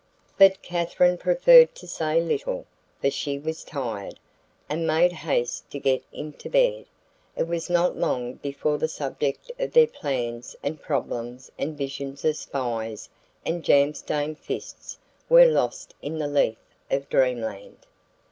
But Katherine preferred to say little, for she was tired, and made haste to get into bed. It was not long before the subject of their plans and problems and visions of spies and "jam stained fists" were lost in the lethe of dreamland.